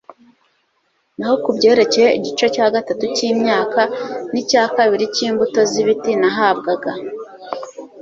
naho ku byerekeye igice cya gatatu cy'imyaka, n'icya kabiri cy'imbuto z'ibiti nahabwaga